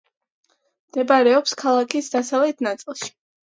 მდებარეობს ქალაქის დასავლეთ ნაწილში.